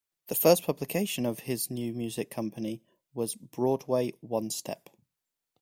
The first publication of his new music company was "Broadway One-Step".